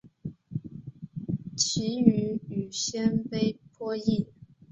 其语与鲜卑颇异。